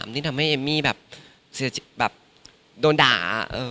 ที่ทำให้เอมมี่แบบโดนด่า